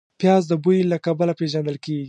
پیاز د بوی له کبله پېژندل کېږي